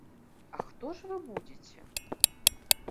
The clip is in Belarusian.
А хто ж вы будзеце?